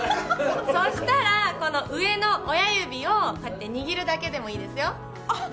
そしたらこの上の親指をこうやって握るだけでもいいですよあっ